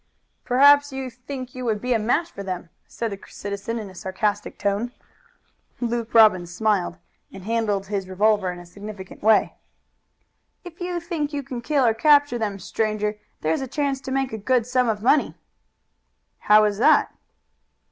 "Perhaps you think you would be a match for them," said the citizen in a sarcastic tone. Luke Robbins smiled, and handled his revolver in a significant way. "If you think you can kill or capture them, stranger, there's a chance to make a good sum of money." "How is that?"